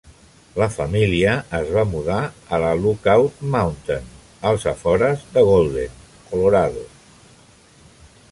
La família es va mudar a la Lookout Mountain als afores de Golden, Colorado.